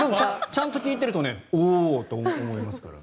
ちゃんと聞いてるとおおって思いますから。